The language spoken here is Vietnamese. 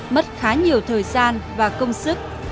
mất khá nhiều thời gian và công sức